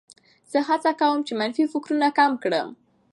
زه هڅه کوم چې منفي فکرونه کم کړم.